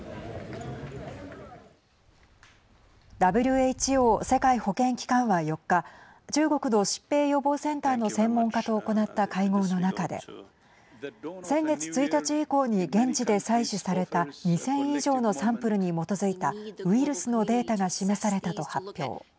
ＷＨＯ＝世界保健機関は４日中国の疾病予防センターの専門家と行った会合の中で先月１日以降に現地で採取された２０００以上のサンプルに基づいたウイルスのデータが示されたと発表。